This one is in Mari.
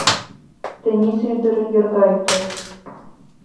Тенийсе ӱдыр — йорга ӱдыр —